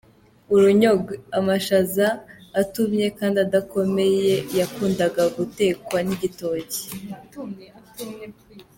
Urunyogwe” : Amashaza atumye kandi adakomeye yakundaga gutekanwa n’igitoki.